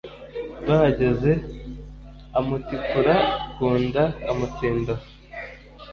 Bahageze amutikura ku nda amutsinda aho